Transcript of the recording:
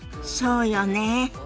そうよね。